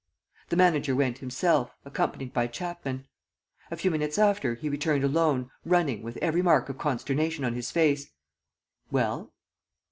The manager went himself, accompanied by Chapman. A few minutes after, he returned alone, running, with every mark of consternation on his face. "Well?"